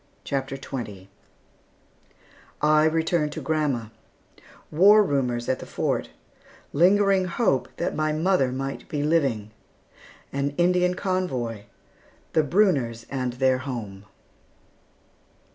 CHAPTER XX I RETURN TO GRANDMA WAR RUMORS AT THE FORT LINGERING HOPE THAT MY MOTHER MIGHT BE LIVING AN INDIAN CONVOY THE BRUNNERS AND THEIR HOME.